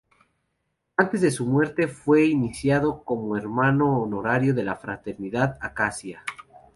Antes de su muerte, fue iniciado como hermano honorario de la fraternidad Acacia.